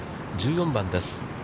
１４番です。